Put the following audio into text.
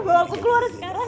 bapak aku keluar sekarang